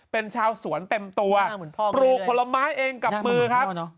เป็นชาวสวนเต็มตัวปลูกผลไม้เองกับมือครับ